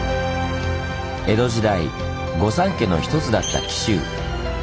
江戸時代御三家の一つだった紀州。